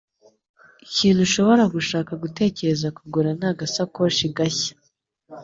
Ikintu ushobora gushaka gutekereza kugura ni agasakoshi gashya.